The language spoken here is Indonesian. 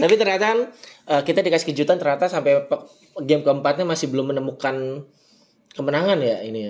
tapi ternyata kan kita dikasih kejutan ternyata sampai game keempatnya masih belum menemukan kemenangan ya ini ya